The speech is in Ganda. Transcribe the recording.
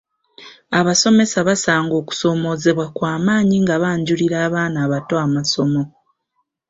Abasomesa basanga okusoomoozebwa kwamaanyi nga banjulira abaana abato amasomo.